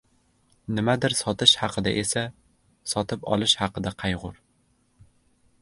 • Nimadir sotish haqida esa, sotib olish haqida qayg‘ur.